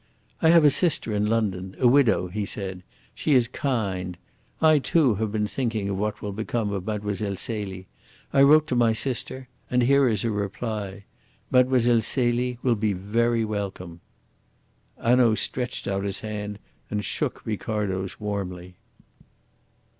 "I have a sister in London, a widow," he said. "She is kind. I, too, have been thinking of what will become of Mlle. Celie. I wrote to my sister, and here is her reply. Mlle. Celie will be very welcome." Hanaud stretched out his hand and shook Ricardo's warmly.